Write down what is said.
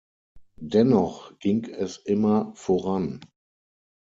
Dennoch ging es immer voran.